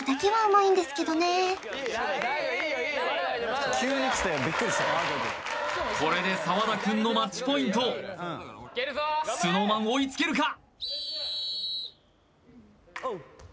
まだ大丈夫これで澤田くんのマッチポイントＳｎｏｗＭａｎ追いつけるかＯＫ！